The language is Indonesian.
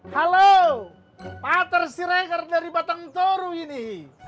halo patar sirekar dari batang toru ini